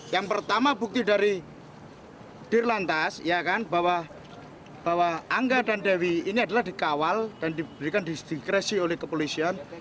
yang pertama bukti dari dirlantas bahwa angga dan dewi ini adalah dikawal dan diberikan diskresi oleh kepolisian